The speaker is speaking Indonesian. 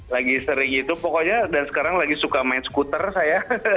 lagi sering gitu pokoknya dan sekarang lagi suka main skuter saya